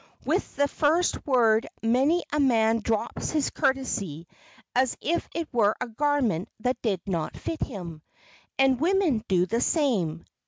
With the first word many a man drops his courtesy as if it were a garment that did not fit him. And women do the same.